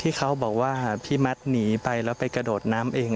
ที่เค้าบอกว่าพี่มัดหนีไปไปกระโดดน้ำเอง